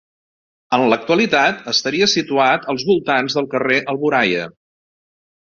En l'actualitat estaria situat als voltants del carrer Alboraia.